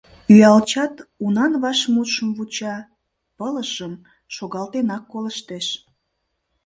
Ӱялчат унан вашмутшым вуча, пылышым шогалтенак колыштеш.